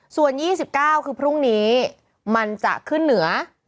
ส่วนยี่สิบเก้าคือพรุ่งนี้มันจะขึ้นเหนือ